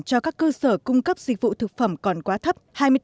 cho các cơ sở cung cấp dịch vụ thực phẩm còn quá thấp hai mươi bốn